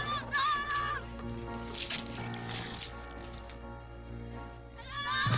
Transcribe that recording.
kita harus mencari